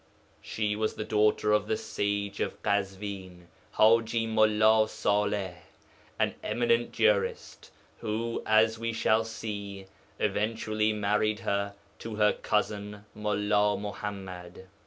She was the daughter of the 'sage of Kazwin,' Haji Mullā Salih, an eminent jurist, who (as we shall see) eventually married her to her cousin Mullā Muḥammad.